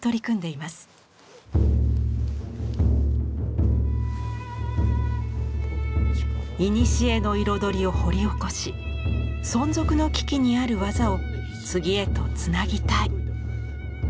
いにしえの彩りを掘り起こし存続の危機にある技を次へとつなぎたい。